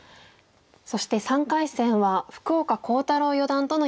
そして３回戦は福岡航太朗四段との対局となります。